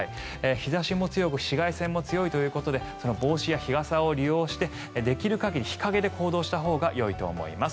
日差しも強く紫外線も強いということで帽子や日傘を利用してできるだけ日陰で行動したほうがよいと思います。